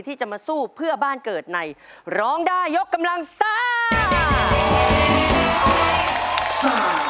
ที่จะมาสู้เพื่อบ้านเกิดในร้องได้ยกกำลังซ่า